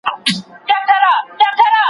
علم د بشري تاریخ په پرتله ډیر مهم دی.